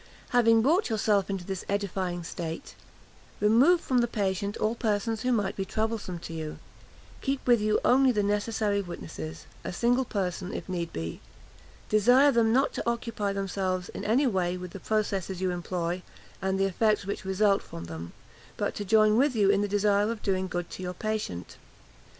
Having brought yourself into this edifying state, "remove from the patient all persons who might be troublesome to you; keep with you only the necessary witnesses a single person if need be; desire them not to occupy themselves in any way with the processes you employ and the effects which result from them, but to join with you in the desire of doing good to your patient.